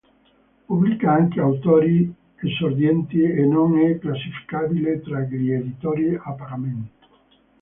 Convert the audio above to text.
Pubblica anche autori esordienti e non è classificabile tra gli editori a pagamento.